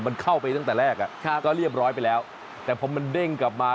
มันเข้าไปตั้งแต่แรกก็เรียบร้อยไปแล้วแต่พอมันเด้งกลับมา